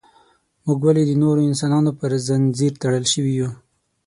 موږ ولې د نورو انسانانو پر زنځیر تړل شوي یو.